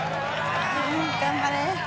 ・頑張れ。